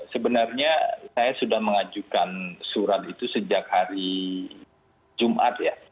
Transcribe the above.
sebenarnya saya sudah mengajukan surat itu sejak hari jumat ya